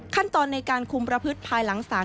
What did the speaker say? ขั้นตอนในการคุมประพฤติภายหลังศาล